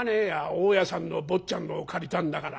大家さんの坊ちゃんのを借りたんだから。